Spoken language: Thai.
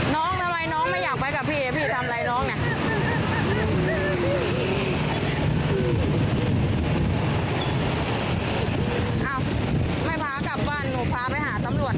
น้องทำไมน้องไม่อยากไปกับพี่พี่ทำอะไรน้องเนี่ย